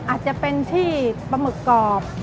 อาจจะเป็นที่ปลาหมึกกรอบ